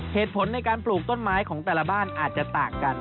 เหตุผลในการปลูกต้นไม้ของแต่ละบ้านอาจจะต่างกัน